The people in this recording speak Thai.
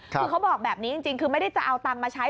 คือเขาบอกแบบนี้จริงคือไม่ได้จะเอาตังค์มาใช้